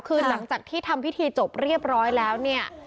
คือหลังจากที่ทำพิธีจบเรียบร้อยแล้วเนี่ย